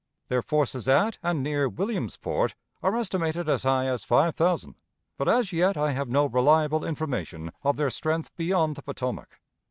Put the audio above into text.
Their forces at and near Williamsport are estimated as high as five thousand, but as yet I have no reliable information of their strength beyond the Potomac.